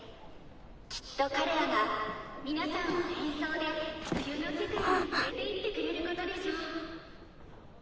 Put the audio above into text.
きっと彼らが皆さんを演奏で冬の世界に連れていってくれることでしょう。